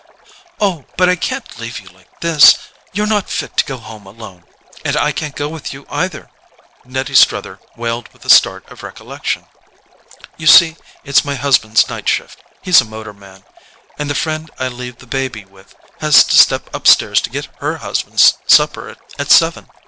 "Oh, but I can't leave you like this—you're not fit to go home alone. And I can't go with you either!" Nettie Struther wailed with a start of recollection. "You see, it's my husband's night shift—he's a motor man—and the friend I leave the baby with has to step upstairs to get HER husband's supper at seven.